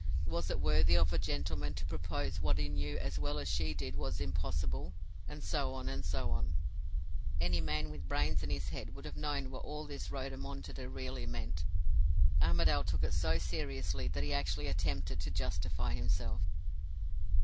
Was it worthy of a gentleman to propose what he knew as well as she did was impossible? and so on, and so on. Any man with brains in his head would have known what all this rodomontade really meant. Armadale took it so seriously that he actually attempted to justify himself.